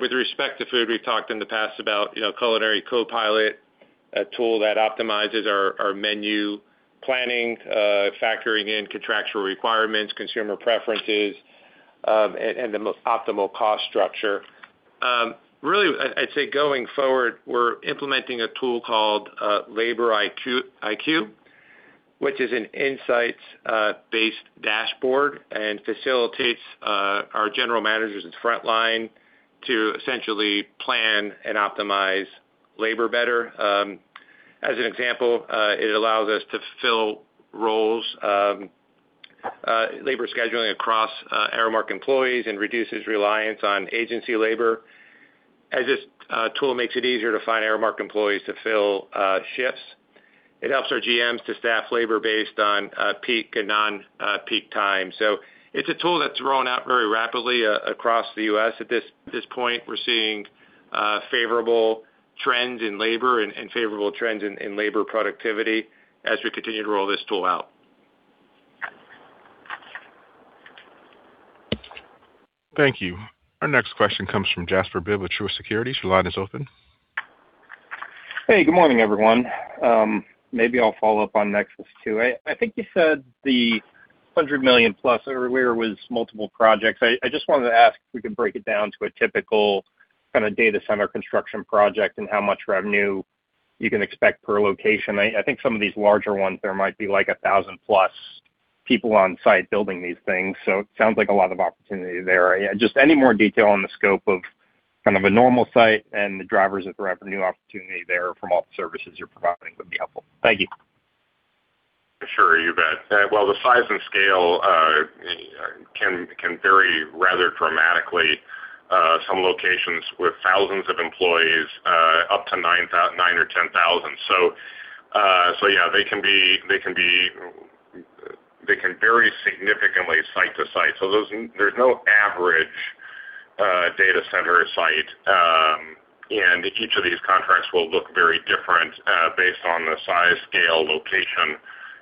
With respect to food, we've talked in the past about, you know, Culinary Co-Pilot, a tool that optimizes our menu planning, factoring in contractual requirements, consumer preferences, and the most optimal cost structure. Really, I'd say going forward, we're implementing a tool called LaborIQ, which is an insights based dashboard and facilitates our General Managers and frontline to essentially plan and optimize labor better. As an example, it allows us to fill roles, labor scheduling across Aramark employees and reduces reliance on agency labor, as this tool makes it easier to find Aramark employees to fill shifts. It helps our GMs to staff labor based on peak and non-peak time. It's a tool that's rolling out very rapidly across the U.S. At this point, we're seeing favorable trends in labor and favorable trends in labor productivity as we continue to roll this tool out. Thank you. Our next question comes from Jasper Bibb with Truist Securities. Your line is open. Hey, good morning, everyone. Maybe I'll follow up on Nexus too. I think you said the $100 million plus earlier was multiple projects. I just wanted to ask if we could break it down to a typical kind of data center construction project and how much revenue you can expect per location. I think some of these larger ones, there might be like a 1,000+ people on site building these things. It sounds like a lot of opportunity there. Just any more detail on the scope of kind of a normal site and the drivers of revenue opportunity there from all the services you're providing would be helpful. Thank you. Sure. You bet. Well, the size and scale can vary rather dramatically. Some locations with thousands of employees, up to 9 or 10,000. Yeah, they can be They can vary significantly site to site. There's no average data center site. Each of these contracts will look very different, based on the size, scale, location,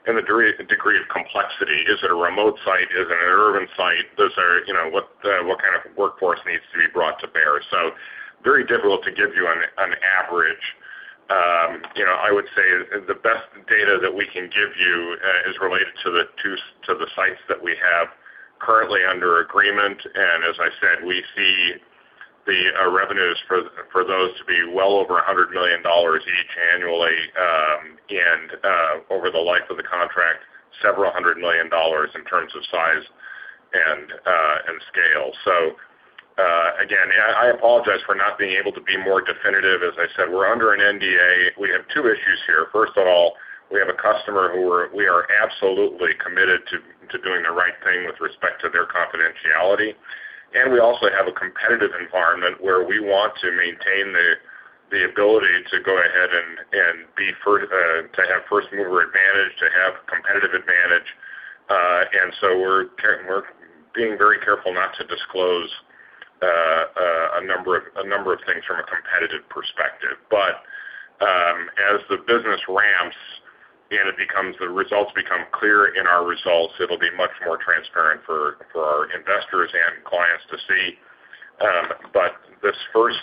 and the degree of complexity. Is it a remote site? Is it an urban site? Those are, you know, what kind of workforce needs to be brought to bear? Very difficult to give you an average. You know, I would say the best data that we can give you is related to the sites that we have currently under agreement. As I said, we see the revenues for those to be well over $100 million each annually, and over the life of the contract, several hundred million dollars in terms of size and scale. Again, I apologize for not being able to be more definitive. As I said, we're under an NDA. We have two issues here. First of all, we have a customer who we are absolutely committed to doing the right thing with respect to their confidentiality. We also have a competitive environment where we want to maintain the ability to go ahead and to have first mover advantage, to have competitive advantage. We're being very careful not to disclose a number of things from a competitive perspective. As the business ramps and the results become clear in our results, it'll be much more transparent for our investors and clients to see. This first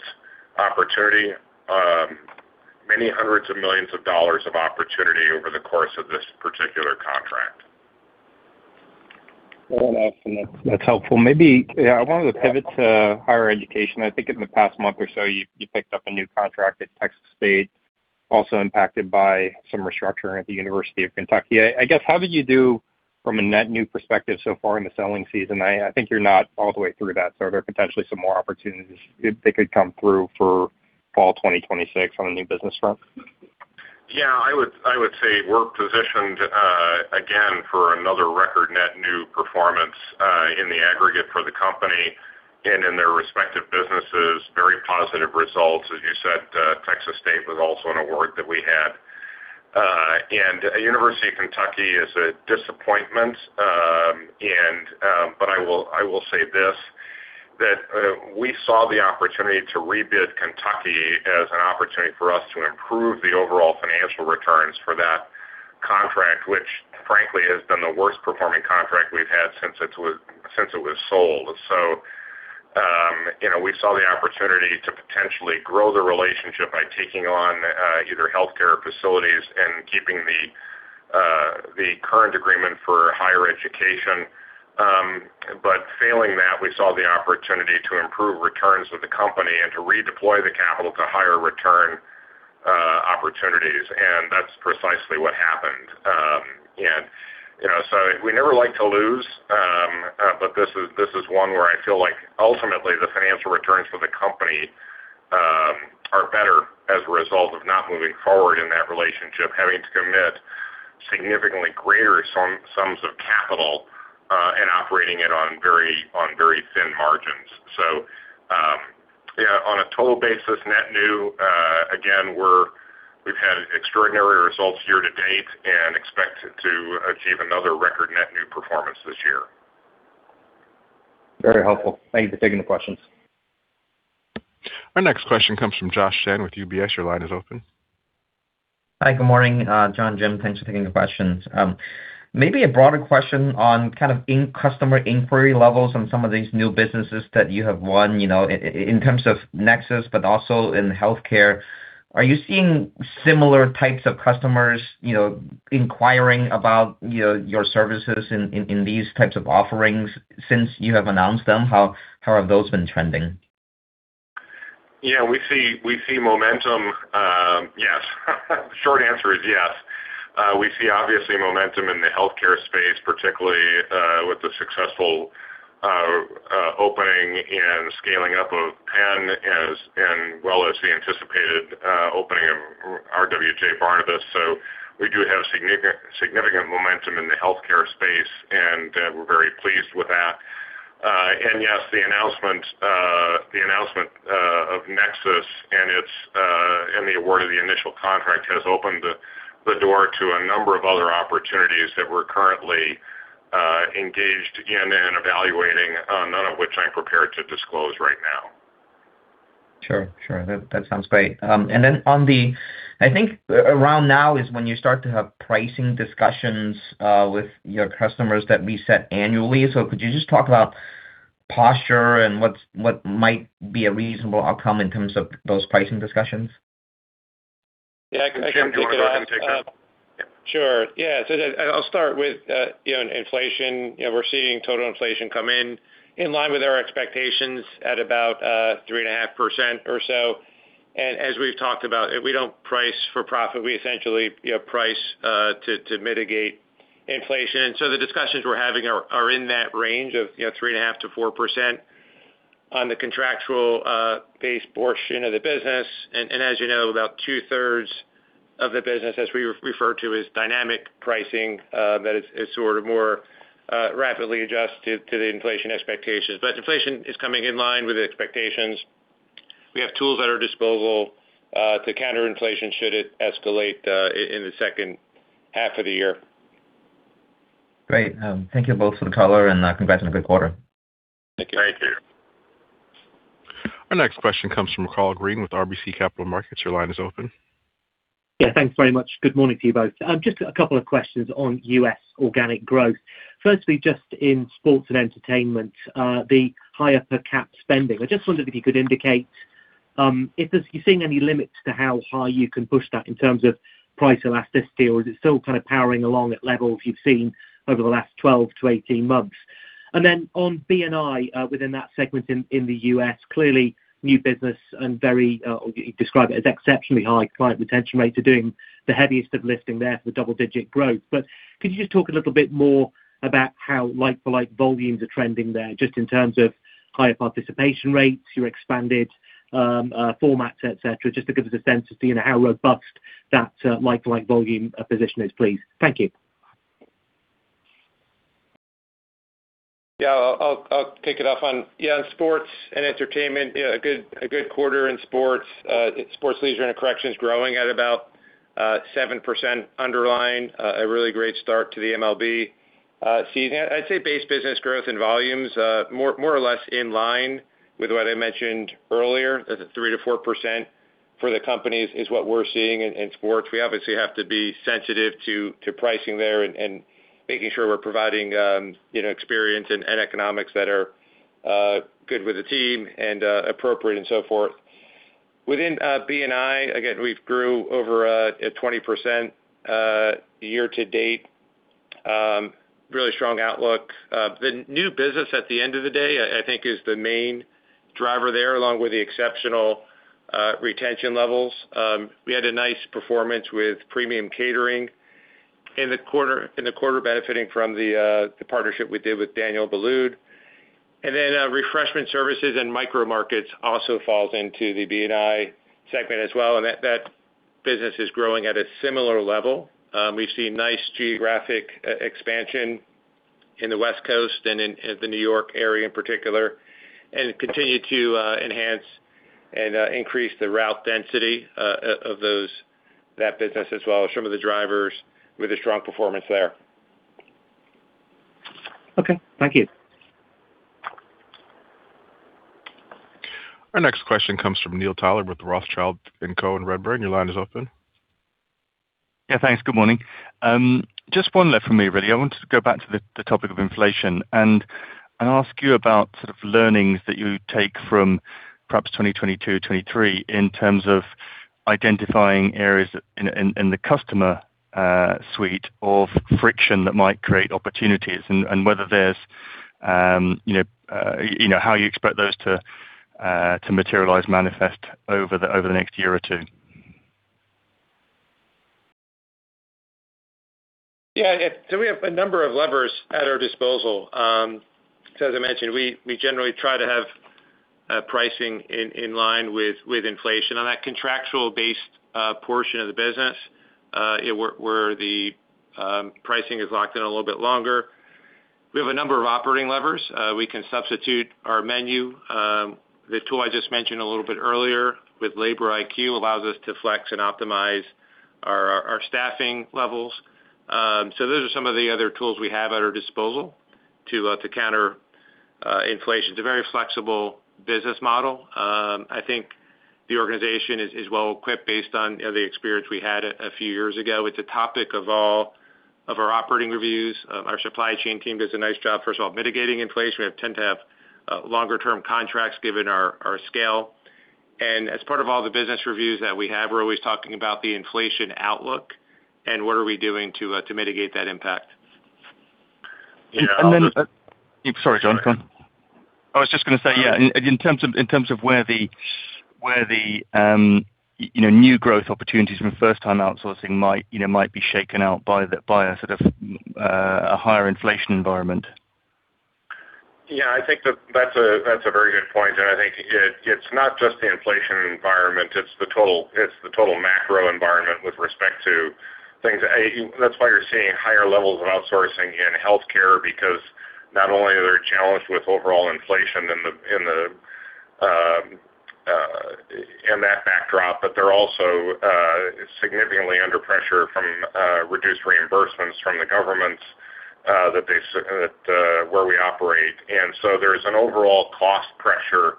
opportunity, many hundreds of millions of dollars of opportunity over the course of this particular contract. Well, awesome. That's helpful. I wanted to pivot to higher education. I think in the past month or so, you picked up a new contract at Texas State, also impacted by some restructuring at the University of Kentucky. I guess, how did you do from a net new perspective so far in the selling season? I think you're not all the way through that. Are there potentially some more opportunities that could come through for fall 2026 on the new business front? Yeah, I would say we're positioned again for another record net new performance in the aggregate for the company and in their respective businesses, very positive results. As you said, Texas State was also an award that we had. And University of Kentucky is a disappointment, and, but I will say this, that we saw the opportunity to rebid Kentucky as an opportunity for us to improve the overall financial returns for that contract, which frankly, has been the worst performing contract we've had since it was sold. You know, we saw the opportunity to potentially grow the relationship by taking on either healthcare facilities and keeping the current agreement for higher education. Failing that, we saw the opportunity to improve returns of the company and to redeploy the capital to higher return opportunities, that's precisely what happened. You know, we never like to lose, this is one where I feel like ultimately the financial returns for the company are better as a result of not moving forward in that relationship, having to commit significantly greater sums of capital and operating it on very thin margins. On a total basis, net new, again, we've had extraordinary results year to date and expect to achieve another record net new performance this year. Very helpful. Thank you for taking the questions. Our next question comes from Joshua Chan with UBS. Your line is open. Hi, good morning, John, Jim. Thanks for taking the questions. Maybe a broader question on kind of customer inquiry levels on some of these new businesses that you have won, you know, in terms of Aramark Nexus, but also in healthcare. Are you seeing similar types of customers, you know, inquiring about, you know, your services in these types of offerings since you have announced them? How have those been trending? Yeah, we see momentum. Yes. Short answer is yes. We see obviously momentum in the healthcare space, particularly with the successful opening and scaling up of Penn, as and well as the anticipated opening of RWJBarnabas. We do have significant momentum in the healthcare space, and we're very pleased with that. Yes, the announcement of Nexus and its and the award of the initial contract has opened the door to a number of other opportunities that we're currently engaged in and evaluating, none of which I'm prepared to disclose right now. Sure. Sure. That, that sounds great. I think around now is when you start to have pricing discussions with your customers that reset annually. Could you just talk about posture and what might be a reasonable outcome in terms of those pricing discussions? Yeah. Sure. Yeah. I'll start with, you know, inflation. You know, we're seeing total inflation come in in line with our expectations at about 3.5% or so. As we've talked about, if we don't price for profit, we essentially, you know, price to mitigate inflation. The discussions we're having are in that range of, you know, 3.5%-4% on the contractual base portion of the business. As you know, about two-thirds of the business, as we refer to, as dynamic pricing, that is sort of more rapidly adjusted to the inflation expectations. Inflation is coming in line with the expectations. We have tools at our disposal to counter inflation should it escalate in the second half of the year. Great. Thank you both for the color, and congrats on a good quarter. Thank you. Thank you. Our next question comes from Karl Green with RBC Capital Markets. Your line is open. Thanks very much. Good morning to you both. Just a couple of questions on U.S. organic growth. Firstly, just in sports and entertainment, the higher per cap spending. I just wondered if you could indicate if you're seeing any limits to how high you can push that in terms of price elasticity, or is it still kind of powering along at levels you've seen over the last 12 to 18 months? Then on B&I, within that segment in the U.S., clearly new business and very, you describe it as exceptionally high client retention rates are doing the heaviest of lifting there for double-digit growth. Could you just talk a little bit more about how like-for-like volumes are trending there, just in terms of higher participation rates, your expanded formats, et cetera, just to give us a sense of seeing how robust that like-for-like volume position is, please? Thank you. I'll take it off on sports and entertainment, you know, a good quarter in sports. Sports leisure and corrections growing at about 7% underlying, a really great start to the MLB season. I'd say base business growth and volumes, more or less in line with what I mentioned earlier. The 3%-4% for the company is what we're seeing in sports. We obviously have to be sensitive to pricing there and making sure we're providing, you know, experience and economics that are good with the team and appropriate and so forth. Within B&I, again, we've grew over a 20% year to date. Really strong outlook. The new business at the end of the day, I think is the main driver there, along with the exceptional retention levels. We had a nice performance with premium catering in the quarter benefiting from the partnership we did with Daniel Boulud. Refreshment services and micro markets also falls into the B&I segment as well, and that business is growing at a similar level. We've seen nice geographic e-expansion in the West Coast and in the New York area in particular, and continue to enhance and increase the route density of that business as well. Some of the drivers with a strong performance there. Okay, thank you. Our next question comes from Neil Tyler with Rothschild & Co and Redburn. Your line is open. Yeah, thanks. Good morning. Just one left for me, really. I wanted to go back to the topic of inflation and ask you about sort of learnings that you take from perhaps 2022, 2023 in terms of identifying areas in, in the customer suite of friction that might create opportunities and whether there's, you know, you know, how you expect those to materialize, manifest over the, over the next year or two. We have a number of levers at our disposal. As I mentioned, we generally try to have pricing in line with inflation. On that contractual-based portion of the business, where the pricing is locked in a little bit longer. We have a number of operating levers. We can substitute our menu. The tool I just mentioned a little bit earlier with LaborIQ allows us to flex and optimize our staffing levels. Those are some of the other tools we have at our disposal to counter inflation. It's a very flexible business model. I think the organization is well equipped based on, you know, the experience we had a few years ago. It's a topic of all of our operating reviews. Our supply chain team does a nice job, first of all, mitigating inflation. We tend to have longer term contracts given our scale. As part of all the business reviews that we have, we're always talking about the inflation outlook and what are we doing to mitigate that impact. Yeah, I'll just. Sorry, John. Go on. I was just gonna say, yeah, in terms of where the, you know, new growth opportunities from first time outsourcing, you know, might be shaken out by a sort of a higher inflation environment. Yeah, I think that that's a very good point. I think it's not just the inflation environment, it's the total macro environment with respect to things. That's why you're seeing higher levels of outsourcing in healthcare because not only are they challenged with overall inflation in that backdrop, but they're also significantly under pressure from reduced reimbursements from the governments that they where we operate. There's an overall cost pressure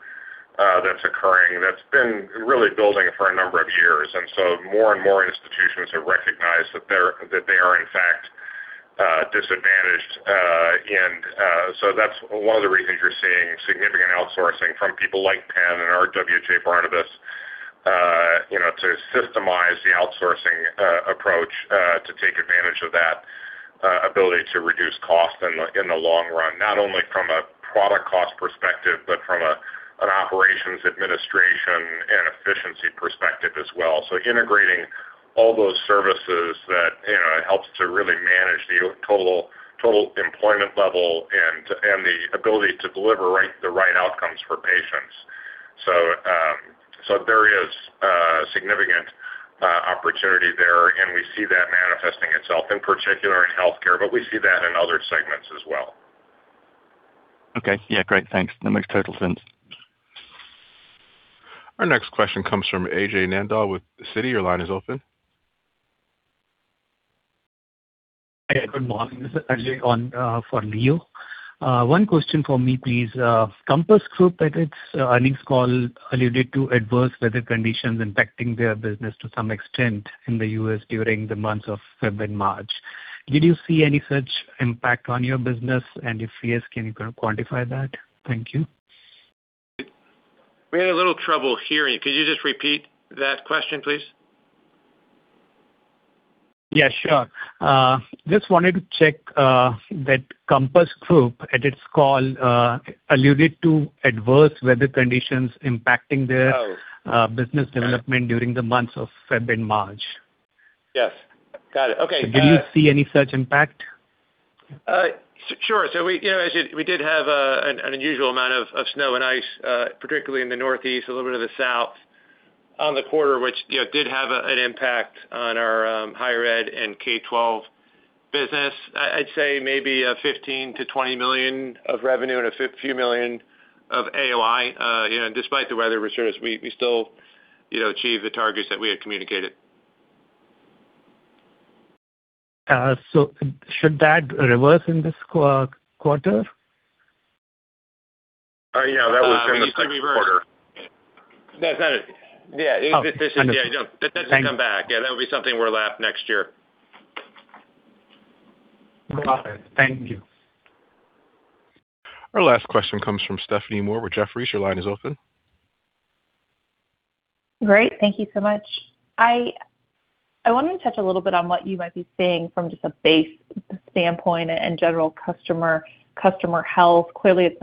that's occurring that's been really building for a number of years. More and more institutions have recognized that they are disadvantaged. That's one of the reasons you're seeing significant outsourcing from people like Penn and RWJBarnabas, you know, to systemize the outsourcing approach to take advantage of that ability to reduce cost in the long run, not only from a product cost perspective, but from an operations administration and efficiency perspective as well. Integrating all those services that, you know, helps to really manage the total employment level and the ability to deliver the right outcomes for patients. There is significant opportunity there, and we see that manifesting itself in particular in healthcare, but we see that in other segments as well. Okay. Yeah, great. Thanks. That makes total sense. Our next question comes from Ajay Nandal with Citi. Your line is open. Hi, good morning. This is Ajay on for Leo. One question for me, please. Compass Group at its earnings call alluded to adverse weather conditions impacting their business to some extent in the U.S. during the months of February and March. Did you see any such impact on your business? If yes, can you kind of quantify that? Thank you. We had a little trouble hearing. Could you just repeat that question, please? Yeah, sure. Just wanted to check that Compass Group at its call alluded to adverse weather conditions. Oh. Business development during the months of February and March. Yes. Got it. Okay. Did you see any such impact? Sure. We, you know, we did have an unusual amount of snow and ice, particularly in the Northeast, a little bit of the South on the quarter, which, you know, did have an impact on our higher ed and K-12 business. I'd say maybe $15 million-$20 million of revenue and a few million of AOI. You know, despite the weather concerns, we still, you know, achieved the targets that we had communicated. Should that reverse in this quarter? Yeah, that was in the second quarter. Oh. Understood. Thank you. That doesn't come back. That would be something we'll lap next year. Got it. Thank you. Our last question comes from Stephanie Moore with Jefferies. Your line is open. Great. Thank you so much. I wanted to touch a little bit on what you might be seeing from just a base standpoint and general customer health. Clearly, it's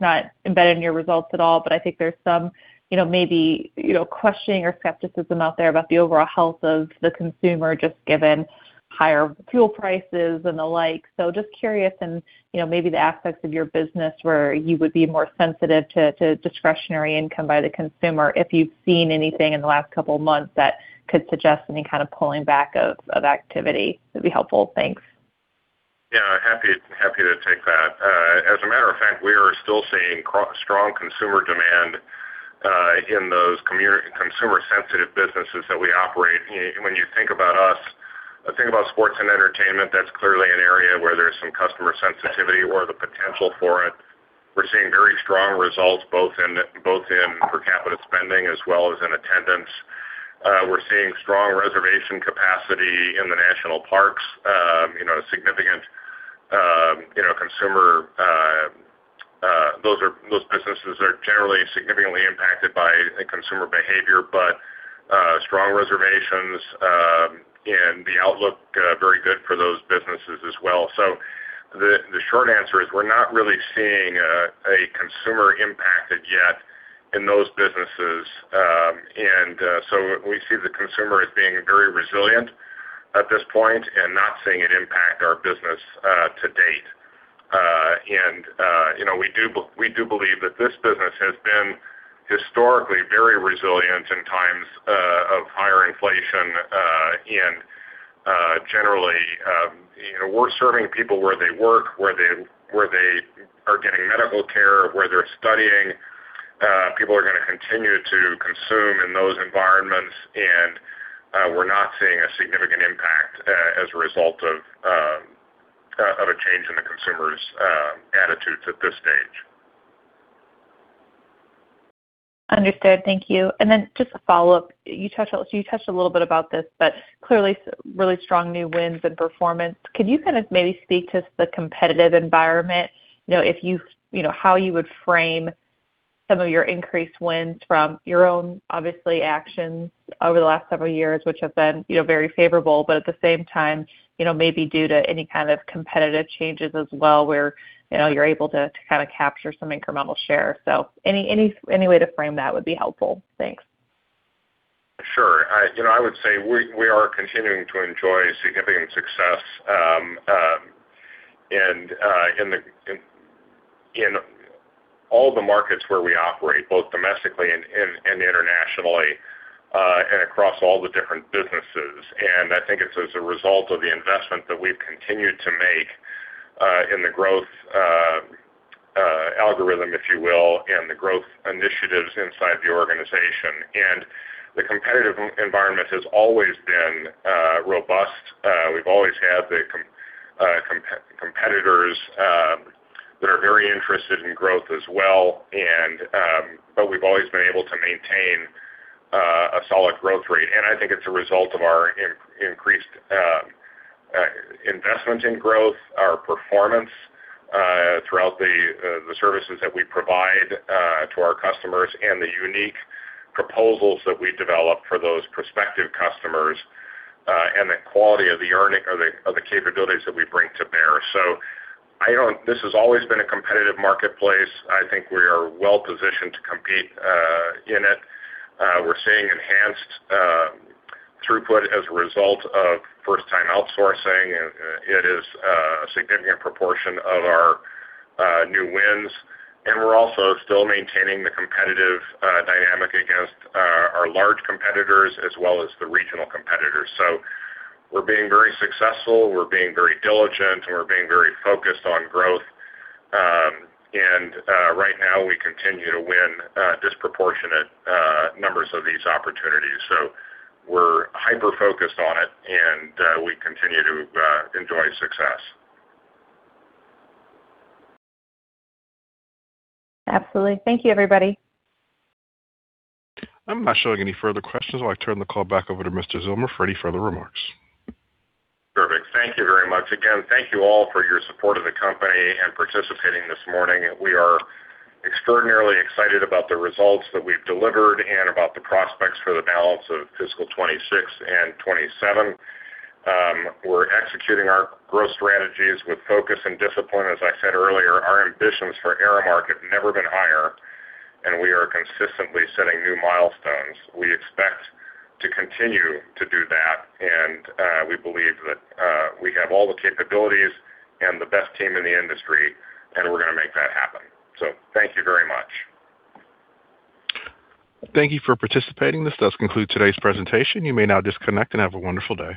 not embedded in your results at all, but I think there's some, you know, maybe, you know, questioning or skepticism out there about the overall health of the consumer, just given higher fuel prices and the like. Just curious and, you know, maybe the aspects of your business where you would be more sensitive to discretionary income by the consumer, if you've seen anything in the last couple of months that could suggest any kind of pulling back of activity. That'd be helpful. Thanks. Yeah. Happy to take that. As a matter of fact, we are still seeing strong consumer demand in those consumer sensitive businesses that we operate. When you think about us, think about sports and entertainment, that's clearly an area where there's some customer sensitivity or the potential for it. We're seeing very strong results both in per capita spending as well as in attendance. We're seeing strong reservation capacity in the national parks, you know, significant, you know, consumer. Those businesses are generally significantly impacted by a consumer behavior. Strong reservations and the outlook very good for those businesses as well. The short answer is we're not really seeing a consumer impacted yet in those businesses. We see the consumer as being very resilient at this point and not seeing it impact our business to date. You know, we do believe that this business has been historically very resilient in times of higher inflation, and generally, you know, we're serving people where they work, where they, where they are getting medical care, where they're studying. People are gonna continue to consume in those environments, and we're not seeing a significant impact as a result of a change in the consumer's attitudes at this stage. Understood. Thank you. Then just a follow-up. You touched a little bit about this, but clearly really strong new wins and performance. Could you kind of maybe speak to the competitive environment? You know, if you know, how you would frame some of your increased wins from your own obviously actions over the last several years, which have been, you know, very favorable, but at the same time, you know, maybe due to any kind of competitive changes as well where, you know, you're able to kinda capture some incremental share. Any way to frame that would be helpful. Thanks. Sure. You know, I would say we are continuing to enjoy significant success, and in all the markets where we operate, both domestically and internationally, and across all the different businesses. I think it's as a result of the investment that we've continued to make in the growth algorithm, if you will, and the growth initiatives inside the organization. The competitive environment has always been robust. We've always had the competitors that are very interested in growth as well, but we've always been able to maintain a solid growth rate. I think it's a result of our increased investment in growth, our performance throughout the services that we provide to our customers and the unique proposals that we develop for those prospective customers and the quality of the capabilities that we bring to bear. This has always been a competitive marketplace. I think we are well-positioned to compete in it. We're seeing enhanced throughput as a result of first-time outsourcing. It is a significant proportion of our new wins. We're also still maintaining the competitive dynamic against our large competitors as well as the regional competitors. We're being very successful, we're being very diligent, and we're being very focused on growth. Right now, we continue to win disproportionate numbers of these opportunities. We're hyper-focused on it, and we continue to enjoy success. Absolutely. Thank you, everybody. I'm not showing any further questions. I'll turn the call back over to Mr. Zillmer for any further remarks. Perfect. Thank you very much. Thank you all for your support of the company and participating this morning. We are extraordinarily excited about the results that we've delivered and about the prospects for the balance of fiscal 2026 and 2027. We're executing our growth strategies with focus and discipline. As I said earlier, our ambitions for Aramark have never been higher, and we are consistently setting new milestones. We expect to continue to do that, and we believe that we have all the capabilities and the best team in the industry, and we're gonna make that happen. Thank you very much. Thank you for participating. This does conclude today's presentation. You may now disconnect, and have a wonderful day.